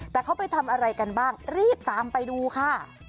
แต่เขาไปทำอะไรกันบ้างรีบตามไปดูค่ะ